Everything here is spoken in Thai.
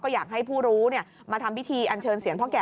อยากให้ผู้รู้มาทำพิธีอันเชิญเสียงพ่อแก่